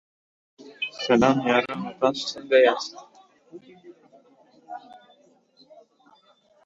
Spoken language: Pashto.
تداعي ځواک د بریالیتوب راز دی.